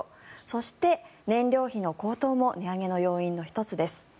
そして、燃料費の高騰も値上げの要因の１つです。